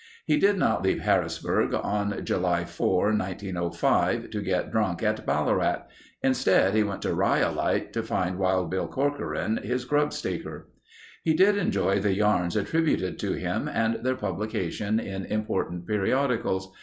He did not leave Harrisburg on July 4, 1905 to get drunk at Ballarat. Instead, he went to Rhyolite to find Wild Bill Corcoran, his grubstaker. He did enjoy the yarns attributed to him and their publication in important periodicals.